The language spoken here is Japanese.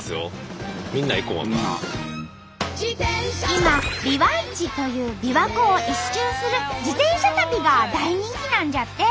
今「ビワイチ」というびわ湖を一周する自転車旅が大人気なんじゃって！